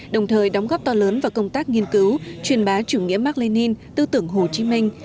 đồng thời đóng góp to lớn vào công tác nghiên cứu truyền bá chủ nghĩa mark lenin tư tưởng hồ chí minh